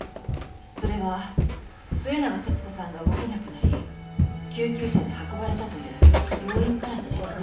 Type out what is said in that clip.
それは末永節子さんが動けなくなり救急車で運ばれたという病院からの連絡だった。